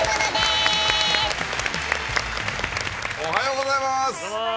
おはようございます。